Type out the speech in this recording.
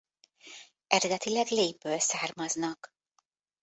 Eredetileg Leigh-ből származnak.